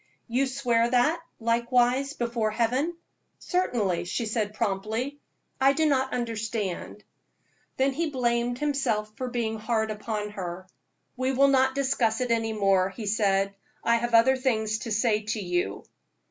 "You swear that, likewise, before Heaven?" "Certainly," she said, promptly. "I do not understand." Then he blamed himself for being hard upon her. "We will not discuss it any more," he said, "I have other things to say to you."